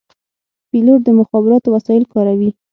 پیلوټ د مخابراتو وسایل کاروي.